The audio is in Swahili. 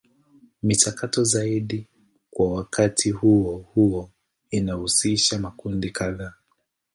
Michakato zaidi kwa wakati huo huo inahusisha makundi kadhaa.